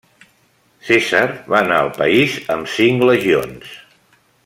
Cèsar va anar al país amb cinc legions.